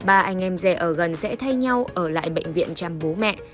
ba anh em rể ở gần sẽ thay nhau ở lại bệnh viện chăm bố mẹ